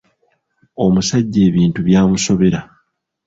Omusajja ebintu byamusobera!